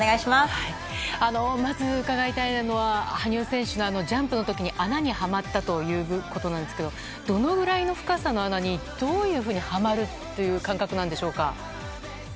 まず伺いたいのは、羽生選手のあのジャンプのときに、穴にはまったということなんですけど、どのぐらいの深さの穴に、どういうふうにはまるという感覚なんでしょうか。